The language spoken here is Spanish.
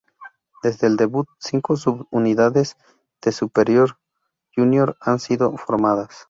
Desde el debut, cinco sub-unidades de Super Junior han sido formadas.